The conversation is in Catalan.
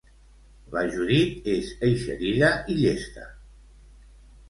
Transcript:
La Judit és eixerida i llesta.